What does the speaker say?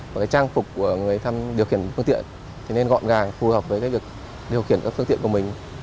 và cái trang phục của người thăm điều khiển phương tiện thì nên gọn gàng phù hợp với cái việc điều khiển các phương tiện của mình